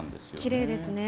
きれいですね。